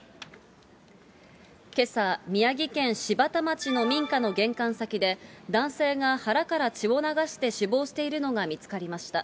けさ、宮城県柴田町の民家の玄関先で、男性が腹から血を流して死亡しているのが見つかりました。